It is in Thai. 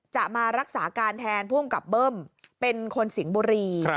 จะมารักษาการแทนผศเบิ้มเป็นคนสิงบุรี